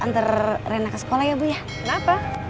antar rena ke sekolah ya bu ya kenapa